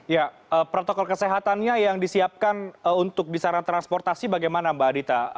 ya protokol kesehatannya yang disiapkan untuk di sarana transportasi bagaimana mbak adita